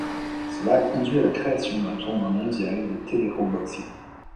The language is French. Cela a conduit à la création d'un tournoi mondial de teleroboxing.